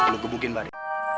lo gebukin bari